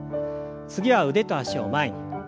次は腕と脚を前に。